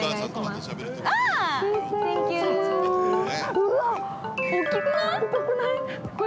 ◆うわっ、大きくない？